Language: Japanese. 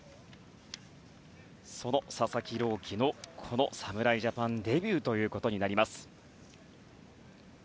その佐々木朗希の侍ジャパンデビューということになります。